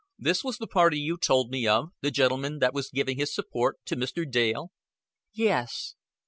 "This was the party you told me of the gentleman that was giving his support to Mr. Dale?" "Yes."